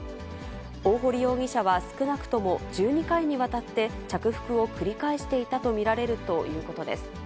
大堀容疑者は少なくとも１２回にわたって着服を繰り返していたと見られるということです。